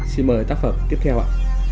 xin mời tác phẩm tiếp theo ạ